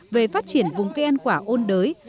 về phát triển vùng cây ăn quả ôn đới